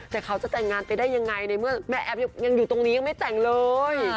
แต่เค้าจะแต่งงานไปได้ยังไงแม่แอฟยังไม่แต่งเลย